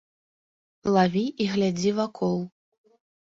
Лаві і глядзі вакол!